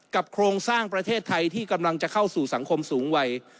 โครงสร้างประเทศไทยที่กำลังจะเข้าสู่สังคมสูงวัย